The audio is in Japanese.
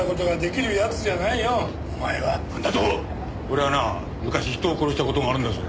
俺はな昔人を殺した事があるんだぞ。